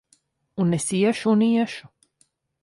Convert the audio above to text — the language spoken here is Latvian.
Un es iešu un iešu!